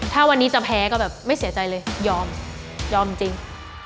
ถ้าวันนี้จะแพ้ก็แบบไม่เสียใจเลยยอมยอมจริง